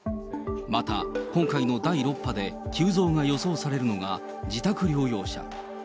また、今回の第６波で急増が予想されるのが、自宅療養者。